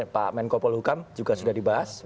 pak menko polhukam juga sudah dibahas